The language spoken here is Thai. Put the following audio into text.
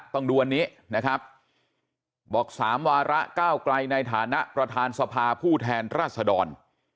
ต้องดูวันนี้นะครับบอก๓วาระก้าวไกลในฐานะประธานสภาผู้แทนราชดร